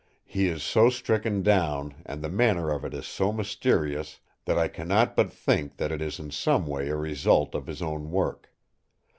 He is so stricken down, and the manner of it is so mysterious that I cannot but think that it is in some way a result of his own work.